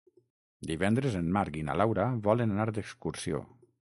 Divendres en Marc i na Laura volen anar d'excursió.